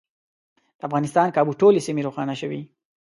د افغانستان کابو ټولې سیمې روښانه شوې.